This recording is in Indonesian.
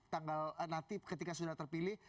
tanggal nanti ketika sudah terpilih